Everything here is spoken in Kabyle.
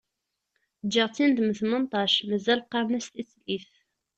Ǧǧiɣ-tt-in d mm tmenṭac, mazal qqaren-as "tislit".